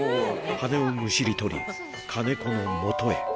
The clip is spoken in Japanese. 羽根をむしり取り、金子のもとへ。